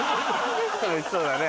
おいしそうだね